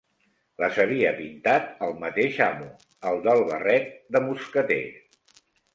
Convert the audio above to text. Les havia pintat el mateix amo: el del barret de mosqueter